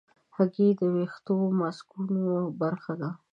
هګۍ د ویښتو ماسکونو برخه ده.